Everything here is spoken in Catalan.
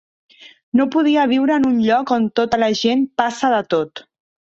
No podia viure en un lloc on tota la gent passa de tot.